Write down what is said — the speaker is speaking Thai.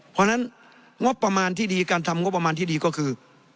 เพราะฉะนั้นงบประมาณที่ดีการทำงบประมาณที่ดีก็คือ